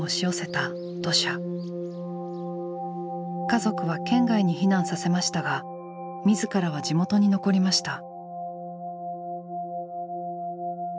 家族は県外に避難させましたが自らは地元に残りました。